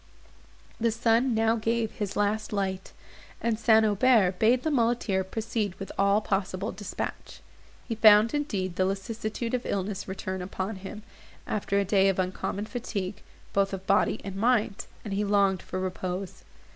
The sun now gave his last light, and St. Aubert bade the muleteer proceed with all possible dispatch. He found, indeed, the lassitude of illness return upon him, after a day of uncommon fatigue, both of body and mind, and he longed for repose.